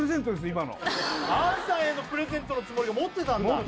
今の杏さんへのプレゼントのつもりが持ってたんだ？